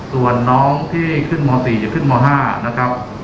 ส่วนน้องที่ขึ้นม๔จะขึ้นม๕นะครับ